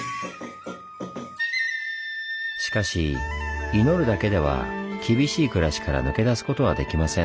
しかし祈るだけでは厳しい暮らしから抜け出すことはできません。